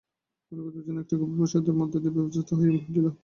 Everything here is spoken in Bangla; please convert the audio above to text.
ক্ষণিক উত্তেজনা একটা গভীর অবসাদের মধ্যে বিপর্যস্ত হইয়া পড়িল।